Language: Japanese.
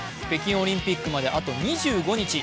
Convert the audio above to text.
北京オリンピックまであと２５日。